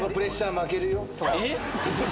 えっ？